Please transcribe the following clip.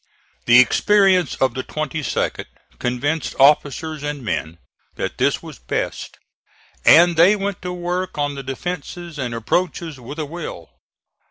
The experience of the 22d convinced officers and men that this was best, and they went to work on the defences and approaches with a will.